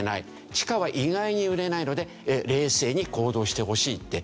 地下は意外に揺れないので冷静に行動してほしいっていわれてますよね。